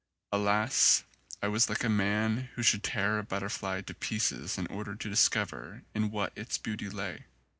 Alas, I was like a man who should tear a butterfly to pieces in order to discover in what its beauty lay.